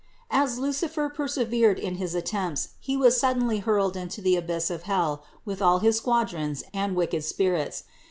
As Luci fer persevered in his attempts, he was suddenly hurled into the abyss of hell with all his squadrons and wicked spirits.